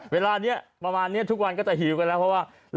เวลานี้ประมาณนี้ทุกวันก็จะหิวกันแล้วเพราะว่า